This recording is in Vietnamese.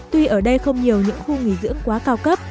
tuy ở đây không nhiều những khu nghỉ dưỡng quá cao cấp